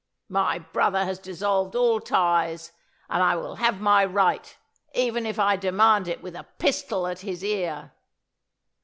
My brother has dissolved all ties, and I will have my right, even if I demand it with a pistol at his ear."